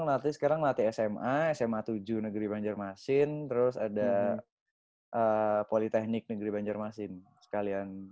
latih sekarang latih sma sma tujuh negeri banjarmasin terus ada politeknik negeri banjarmasin sekalian